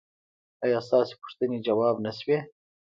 ایا ستاسو پوښتنې ځواب نه شوې؟